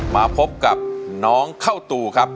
มาพบกับน้องเข้าตูครับ